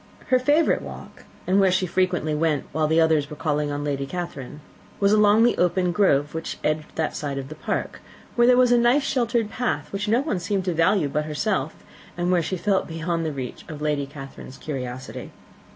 Her favourite walk, and where she frequently went while the others were calling on Lady Catherine, was along the open grove which edged that side of the park, where there was a nice sheltered path, which no one seemed to value but herself, and where she felt beyond the reach of Lady Catherine's curiosity.